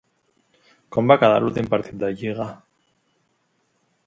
Com van quedar a l'últim partit de la Lliga?